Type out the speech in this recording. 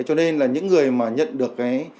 cho nên là những người mà nhận được